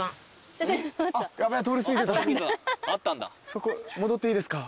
そこ戻っていいですか？